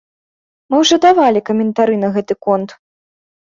Мы ўжо давалі каментары на гэты конт!